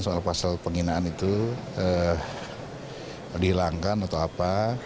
soal pasal penghinaan itu dihilangkan atau apa